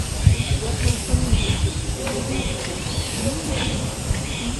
Як нам самім вучыцца ў гэтай новай жыцця?